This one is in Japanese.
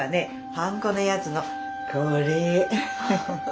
ハンコのやつのこれ。